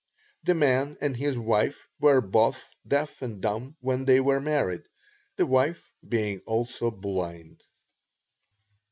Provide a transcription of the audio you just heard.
The man and his wife were both deaf and dumb when they were married, the wife being also blind.